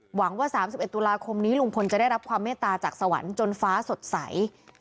หวังว่า๓๑ตุลาคมนี้ลุงพลจะได้รับความเมตตาจากสวรรค์จนฟ้าสดใส